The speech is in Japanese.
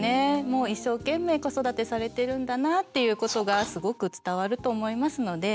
一生懸命子育てされてるんだなっていうことがすごく伝わると思いますので。